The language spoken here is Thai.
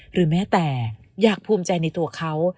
หรือแม้แต่อยากภูมิใจในตัวเขา